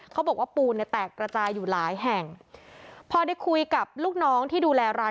เขาบอกว่าปูนเนี่ยแตกระจายอยู่หลายแห่งพอได้คุยกับลูกน้องที่ดูแลร้าน